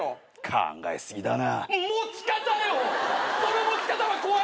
考え過ぎだな。